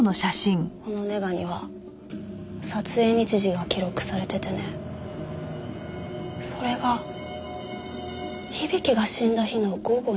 このネガには撮影日時が記録されててねそれが響が死んだ日の午後２時。